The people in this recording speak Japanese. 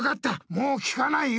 もう聞かないよ。